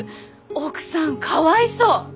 奥さんかわいそう！